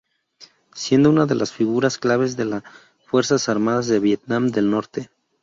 Siendo una de las figuras claves de las fuerzas armadas de Vietnam del Norte.